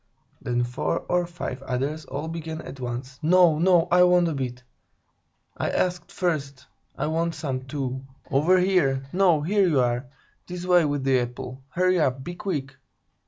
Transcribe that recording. Then four or five others all began at once: "No, no, I want a bit! I asked first! I want some, too! Over here! No, here you are! This way with the apple! Hurry up! Be quick!